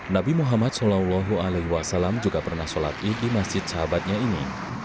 nabi muhammad saw juga pernah sholat id di masjid sahabatnya ini